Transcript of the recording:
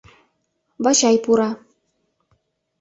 Вачай пура.